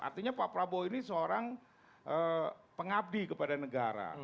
artinya pak prabowo ini seorang pengabdi kepada negara